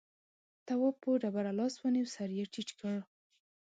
تواب په ډبره لاس ونيو سر يې ټيټ کړ.